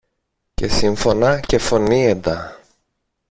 και σύμφωνα και φωνήεντα